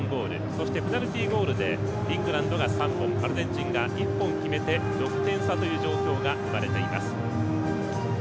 そしてペナルティゴールでイングランドが３本アルゼンチンが１本決めて６点差という状況が生まれています。